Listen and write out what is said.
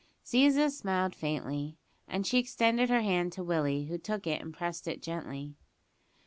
Ziza smiled faintly, as she extended her hand to Willie, who took it and pressed it gently.